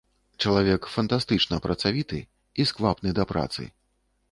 Чалавек фантастычна працавіты і сквапны да працы.